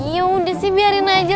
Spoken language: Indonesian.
yaudah sih biarin aja